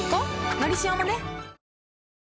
「のりしお」もね